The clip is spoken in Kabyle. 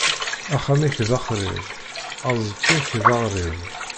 Axxam-ik d axṛib, aẓekka-k d aɣrib.